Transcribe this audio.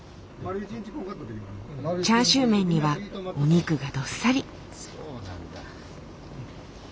チャーシューメンにはお肉がどっさり。